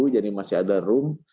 jadi masih ada room